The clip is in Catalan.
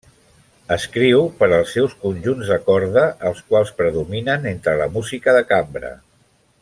Escriu per als seus conjunts de corda, els quals predominen entre la música de cambra.